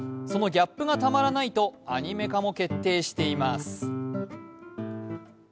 そのギャップがたまらないと、アニメ化も決定しています。